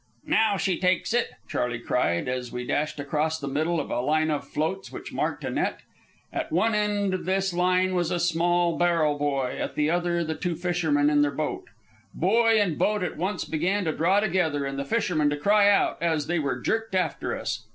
"Now she takes it!" Charley cried, as we dashed across the middle of a line of floats which marked a net. At one end of this line was a small barrel buoy, at the other the two fishermen in their boat. Buoy and boat at once began to draw together, and the fishermen to cry out, as they were jerked after us.